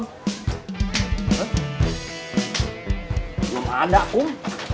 belum ada kum